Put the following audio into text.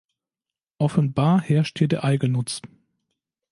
Offenbar herrscht hier der Eigennutz.